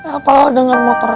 apa lo denger motornya